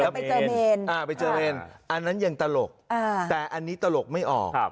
ไปเจอเมนอันนั้นยังตลกแต่อันนี้ตลกไม่ออก